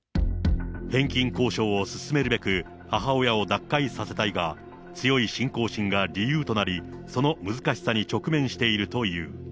返金交渉を進めるべく、母親を脱会させたいが、強い信仰心が理由となり、その難しさに直面しているという。